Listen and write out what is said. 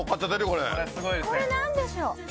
これ何でしょう？